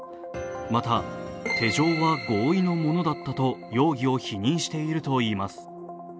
また手錠は合意のものだったと容疑を否認しているといいます。